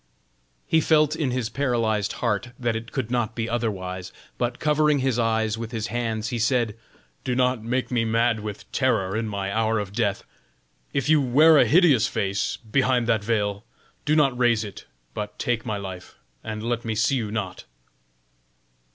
He felt in his paralyzed heart that it could not be otherwise, but covering his eyes with his hands he said: "Do not make me mad with terror in my hour of death. If you wear a hideous face behind that veil, do not raise it, but take my life, and let me see you not."